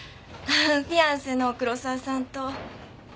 フィアンセの黒沢さんと。